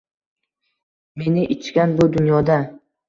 Meni ichgan bu dunyoda